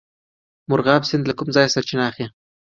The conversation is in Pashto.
مرغاب سیند له کوم ځای سرچینه اخلي؟